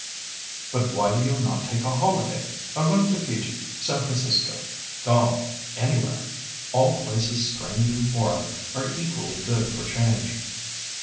"But why do you not take a holiday—a run to Fiji, San Francisco, Galle, anywhere? All places strange and foreign are equally good for change."